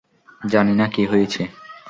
জানি না কী হয়েছে।